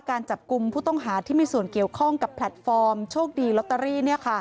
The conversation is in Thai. การจับกลุ่มผู้ต้องหาที่มีส่วนเกี่ยวข้องกับแพลตฟอร์มโชคดีลอตเตอรี่